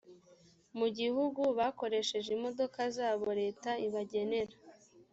mu gihugu bakoresheje imodoka zabo leta ibagenera